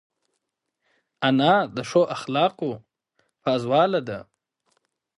انا د ښو اخلاقو پازواله ده